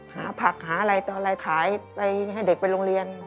หาผักหาอะไรต่ออะไรขายไปให้เด็กไปโรงเรียน